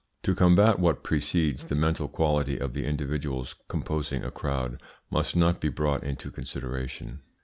To combat what precedes, the mental quality of the individuals composing a crowd must not be brought into consideration.